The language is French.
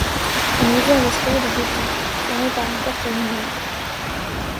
On y voit un escalier de béton, fermé par un portail noir.